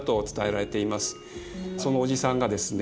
そのおじさんがですね